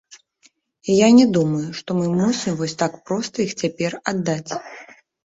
І я не думаю, што мы мусім вось так проста іх цяпер аддаць.